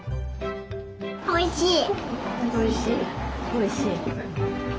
おいしい。